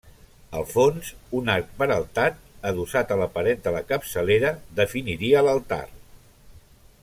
Al fons, un arc peraltat adossat a la paret de la capçalera definiria l'altar.